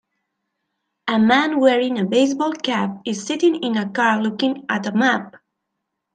A man wearing a baseball cap is sitting in a car looking at a map.